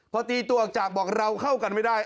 พอตีตัวออกจากบอกเราเข้ากันไม่ได้